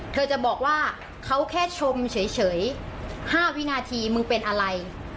เธอจะบอกว่าเขาแค่ชมเฉย๕วินาทีมึงเป็นอะไร